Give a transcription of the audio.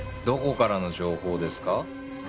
どこからの情報ですか？